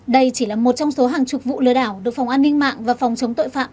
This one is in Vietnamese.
đây chỉ là một trong số hàng chục vụ lừa đảo được phòng an ninh mạng và phòng chống tội phạm